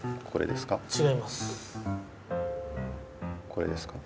これですか？